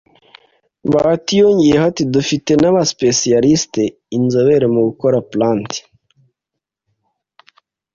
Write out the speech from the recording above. Bahati yongeraho ati “Dufite n’aba spécialistes (inzobere) mu gukora plantes